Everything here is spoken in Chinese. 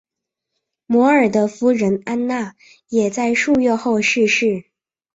摩尔的夫人安娜也在数月后逝世。